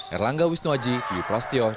herlangga wisnuaji yiprastio jakarta